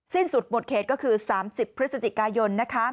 สิ้นสุดหมดเขตก็คือ๓๐พฤศจิกายน